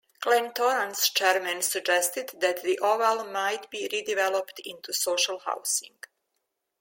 Glentoran's chairman suggested that the Oval might be redeveloped into social housing.